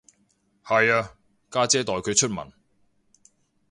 係啊，家姐代佢出文